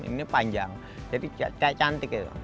ini panjang jadi tidak cantik